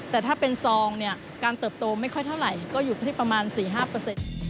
แต่ถ้าเป็นซองเนี่ยการเติบโตไม่ค่อยเท่าไหร่ก็อยู่ที่ประมาณสี่ห้าเปอร์เซ็นต์